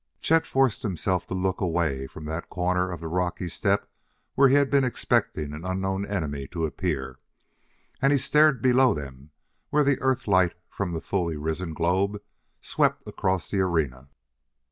Chet forced himself to look away from that corner of the rocky step where he had been expecting an unknown enemy to appear, and he stared below them where the Earth light from the fully risen globe swept across the arena.